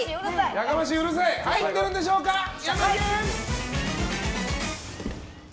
やかましい、うるさい入ってるんでしょうかヤマケン！